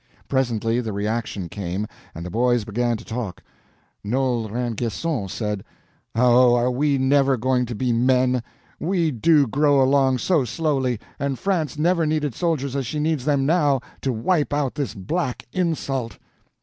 Presently the reaction came, and the boys began to talk. Noel Rainguesson said: "Oh, are we never going to be men! We do grow along so slowly, and France never needed soldiers as she needs them now, to wipe out this black insult."